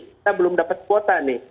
kita belum dapat kuota nih